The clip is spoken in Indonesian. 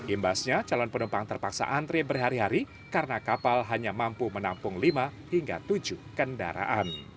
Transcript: imbasnya calon penumpang terpaksa antre berhari hari karena kapal hanya mampu menampung lima hingga tujuh kendaraan